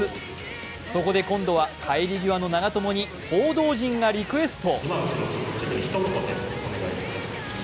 そこで今度は帰り際の長友に報道陣がリクエスト。